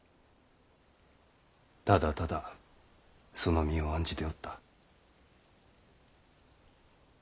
ただただその身を案じておった。